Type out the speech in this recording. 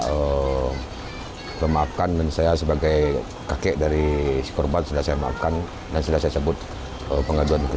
oh memaafkan dan saya sebagai kakek dari korban sudah saya maafkan dan sudah saya sebut kemarin